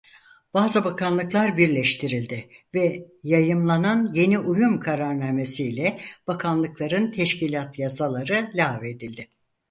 Bazı bakanlıklar birleştirildi ve yayımlanan yeni uyum kararnamesiyle bakanlıkların teşkilat yasaları lağvedildi.